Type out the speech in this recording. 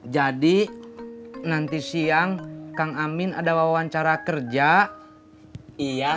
jadi nanti siang kang amin ada wawancara kerja iya